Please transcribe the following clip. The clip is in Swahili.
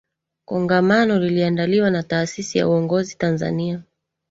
Kongamano liliandaliwa na taasisi ya Uongozi Tanzania